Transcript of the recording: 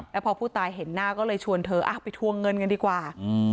แล้วพอผู้ตายเห็นหน้าก็เลยชวนเธอไปทวงเงินกันดีกว่า